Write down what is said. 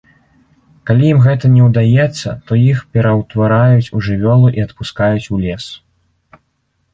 Калі ім гэта не ўдаецца, то іх пераўтвараюць у жывёлу і адпускаюць у лес.